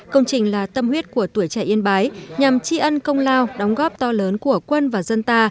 công trình là tâm huyết của tuổi trẻ yên bái nhằm tri ân công lao đóng góp to lớn của quân và dân ta